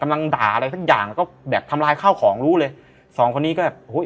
กำลังด่าอะไรสักอย่างแล้วก็แบบทำลายข้าวของรู้เลยสองคนนี้ก็อุ้ย